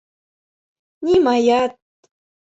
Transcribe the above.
Нимаят.